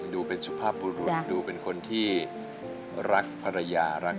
ดูเป็นสุภาพบุรุษดูเป็นคนที่รักภรรยารัก